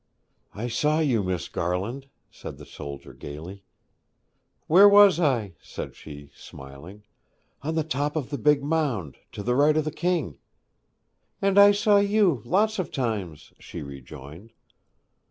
'I saw you, Miss Garland,' said the soldier gaily. 'Where was I?' said she, smiling. 'On the top of the big mound to the right of the King.' 'And I saw you; lots of times,' she rejoined.